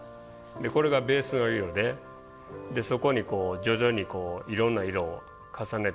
これがベースの色でそこに徐々にいろんな色を重ねていきます。